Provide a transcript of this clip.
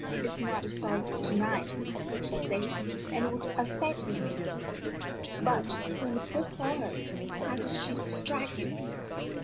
"It is not a story for to night," she said; "and it would upset me. But, when you first saw her, how did she strike you?"